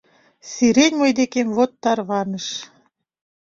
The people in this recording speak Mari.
Сирень мый декем вот тарваныш